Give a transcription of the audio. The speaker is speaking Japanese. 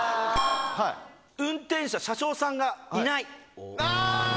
運転手、車掌さんがいない。